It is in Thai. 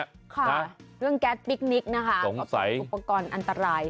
ค่ะเรื่องแก๊สพิคนิคนะคะสงสัยอุปกรณ์อันตราย